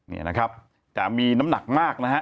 นี่นะครับจะมีน้ำหนักมากนะฮะ